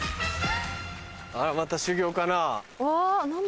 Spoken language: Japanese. あらまた修行かな？